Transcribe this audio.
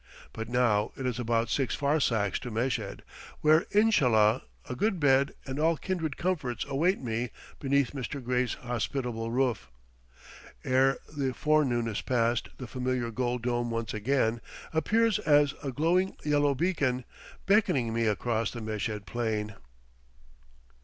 But now it is but about six farsakhs to Meshed, where, "Inshallah," a good bed and all kindred comforts await me beneath Mr. Gray's hospitable roof. Ere the forenoon is passed the familiar gold dome once again appears as a glowing yellow beacon, beckoning me across the Meshed plain.